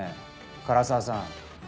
唐沢さん。